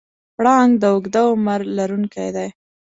پړانګ د اوږده عمر لرونکی دی.